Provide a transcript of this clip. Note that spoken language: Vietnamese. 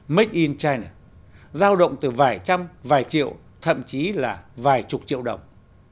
make in china giao động từ vài trăm vài triệu thậm chí là vài chục triệu đồng